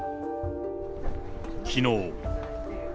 きのう。